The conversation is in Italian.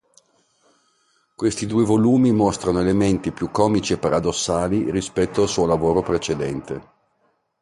Questi due volumi mostrano elementi più comici e paradossali rispetto al suo lavoro precedente.